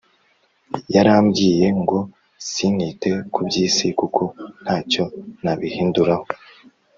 Yarambwiye ngo sinkite kubyisi kuko ntacyo nabihinduraho